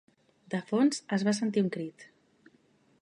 De fons, es va sentir un crit.